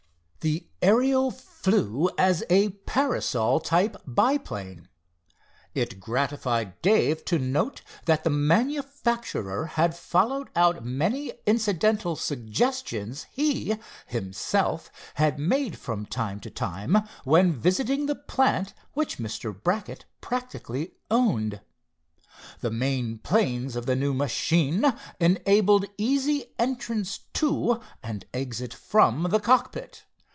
The Ariel flew as a parasol type biplane. It gratified Dave to note that the manufacturer had followed out many incidental suggestions he, himself, had made from time to time, when visiting the plant which Mr. Brackett practically owned. The main planes of the new machine enabled easy entrance to, and exit from, the cockpit.